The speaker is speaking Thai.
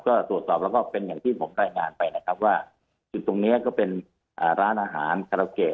ก็ตรวจสอบแล้วก็เป็นอย่างที่ผมรายงานไปนะครับว่าจุดตรงนี้ก็เป็นร้านอาหารคาราเกะ